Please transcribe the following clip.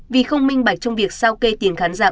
vì không minh bạch trong việc sao kê tiền khán giả